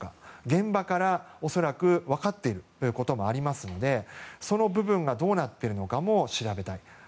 現場から恐らく分かっていることもありますのでその部分がどうなっているのかも調べたい。